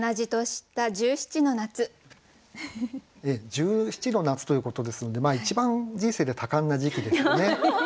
「十七の夏」ということですので一番人生で多感な時期ですよね。